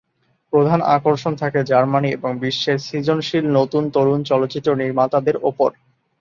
প্রধান আকর্ষণ থাকে জার্মানি এবং বিশ্বের সৃজনশীল নতুন তরুণ চলচ্চিত্র নির্মাতাদের ওপর।